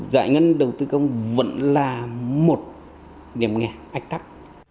giải ngân đầu tư công vẫn là một điểm nghẽ ách tắc